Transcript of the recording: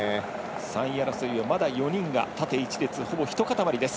３位争いは、まだ４人が縦一列、ほぼ一塊です。